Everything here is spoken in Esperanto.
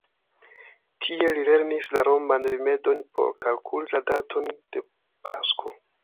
Tie li lernis la roman rimedon por kalkuli la daton de Pasko.